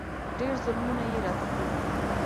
ډېر ظلمونه یې راته کړي.